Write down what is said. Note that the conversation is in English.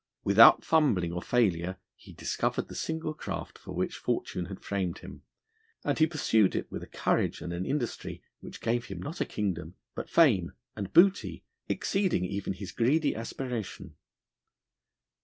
Without fumbling or failure he discovered the single craft for which fortune had framed him, and he pursued it with a courage and an industry which gave him not a kingdom, but fame and booty, exceeding even his greedy aspiration.